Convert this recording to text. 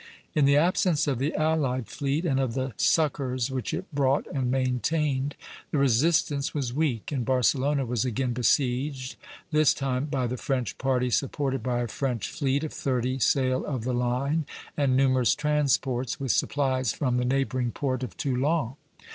In the absence of the allied fleet, and of the succors which it brought and maintained, the resistance was weak, and Barcelona was again besieged, this time by the French party supported by a French fleet of thirty sail of the line and numerous transports with supplies from the neighboring port of Toulon.